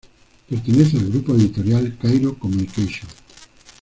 Pertenece al grupo editorial Cairo Communication.